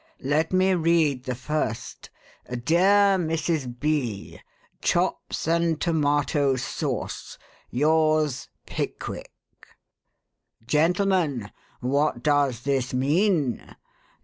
Let me read the first: 'Dear Mrs. B. Chops and tomato Sauce. Yours, Pickwick.' Gentlemen, what does this mean?